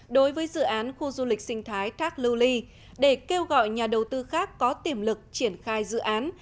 đối với dự án khu du lịch sinh thái thác lưu ly để kêu gọi nhà đầu tư khác có tiềm lực triển khai dự án